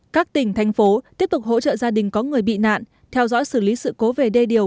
các tỉnh thành phố tiếp tục hỗ trợ gia đình có người bị nạn theo dõi xử lý sự cố về đê điều